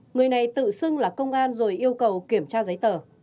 người này tự xưng là công an rồi yêu cầu kiểm tra giấy tờ